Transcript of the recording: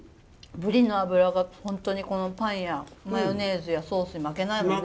ぶりの脂が本当にパンやマヨネーズやソースに負けないもんね。